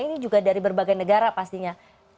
ini juga dari berbagai negara pastinya